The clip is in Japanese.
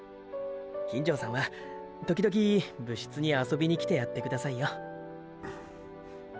金城さんは時々部室に遊びに来てやってくださいよ。